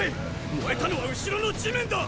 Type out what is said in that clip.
燃えたのは後ろの地面だ！